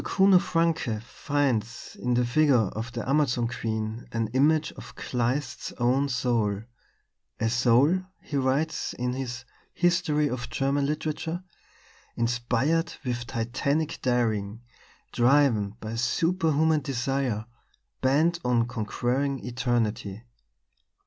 Kuno Francke finds in the figure of the Amazon queen an image of Kleist's own soul "a soul," he writes in his History of German Literature, "inspired with titanic daring, driven by superhuman desire, bent on conquering Eternity.